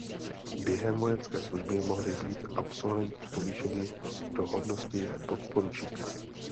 Během vojenské služby mohli být absolventi povýšeni do hodnosti podporučíka.